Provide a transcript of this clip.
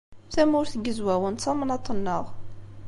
Tamurt n Yizwawen d tamnaḍt-nneɣ.